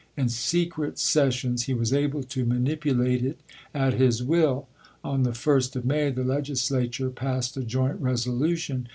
In secret sessions he was able to manipulate it at his will. On the 1st of May the Legislature passed a joint resolution isei.